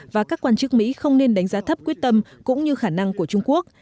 và các quan chức mỹ không nên đánh giá thấp quyết tâm cũng như khả năng của trung quốc